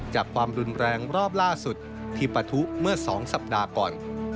ความรุนแรงรอบล่าสุดที่ปะทุเมื่อ๒สัปดาห์ก่อน